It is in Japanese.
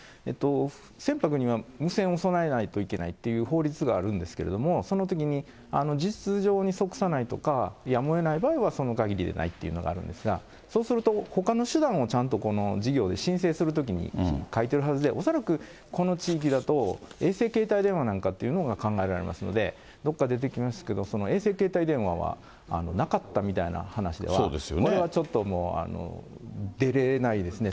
船舶には無線を備えないといけないという法律があるんですけれども、そのときに、実情に即さないとか、やむをえない場合はそのかぎりでないというのがあるんですが、そうするとほかの手段をちゃんと事業を申請するときに書いてるはずで、恐らく、この地域だと衛星携帯電話なんかっていうのが考えられますので、どっかで出てきますけど、その衛星携帯電話はなかったみたいな話では、これはちょっともう、出れないですね。